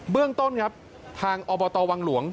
เรื่องต้นครับทางอบตวังหลวง